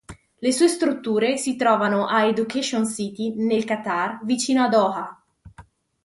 Le sue strutture si trovano a Education City, nel Qatar vicino a Doha.